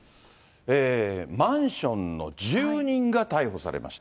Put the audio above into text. マンションの住人が逮捕されました。